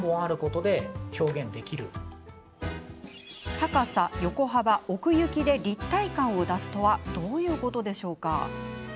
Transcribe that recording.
高さ、横幅、奥行きで立体感を出すとはどういうことでしょうか？